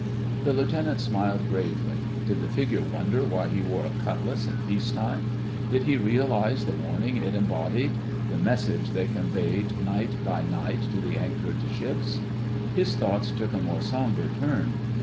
The Lieutenant smiled gravely. Did the figure wonder why he wore a cutlass in peace time? Did he realise the warning it embodied—the message they conveyed night by night to the anchored ships? His thoughts took a more sombre turn.